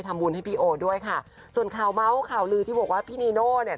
ทำบุญให้พี่โอด้วยค่ะส่วนข่าวเมาส์ข่าวลือที่บอกว่าพี่นีโน่เนี่ย